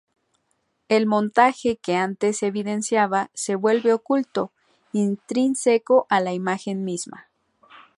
El montaje, que antes se evidenciaba, se vuelve oculto, intrínseco a la imagen misma.